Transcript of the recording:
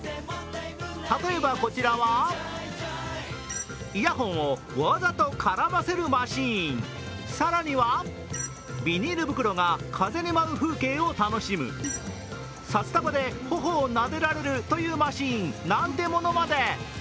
例えばこちらはイヤホンを絡ませるマシーン更にはビニール袋が舞う風景を楽しむ、札束で頬を殴られるマシンなんてものまで。